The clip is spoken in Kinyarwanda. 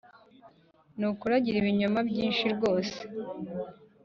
nukuri agira ibinyoma byinshi rwose